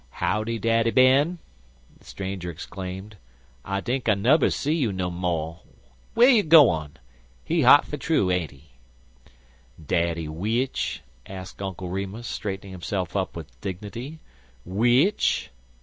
"Howdy, Daddy Ben?" the stranger exclaimed. "I tink I nubber see you no mo'. Wey you gwan? He hot fer true, ain't he?" "Daddy who?" asked Uncle Remus, straightening himself up with dignity. "W'ich?"